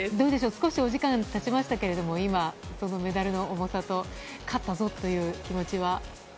少しお時間が経ちましたけど今、そのメダルの重さと勝ったぞという気持ちは？